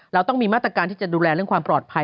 เราต้องมีมาตรการที่จะดูแลเรื่องความปลอดภัย